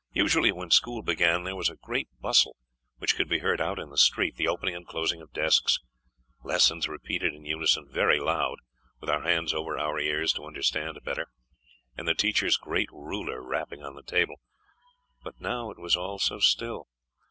Usually, when school began, there was a great bustle, which could be heard out in the street, the opening and closing of desks, lessons repeated in unison, very loud, with our hands over our ears to understand better, and the teacher's great ruler rapping on the table. But now it was all so still!